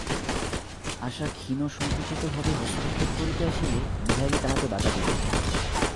আশা ক্ষীণ সংকুচিত ভাবে হস্তক্ষেপ করিতে আসিলে, বিহারী তাহাতে বাধা দিল।